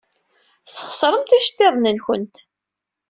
Tesxeṣremt iceḍḍiḍen-nwent.